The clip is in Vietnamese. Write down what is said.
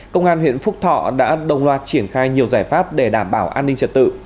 công an huyện phúc thọ đã đồng loạt triển khai nhiều giải pháp để đảm bảo an ninh trật tự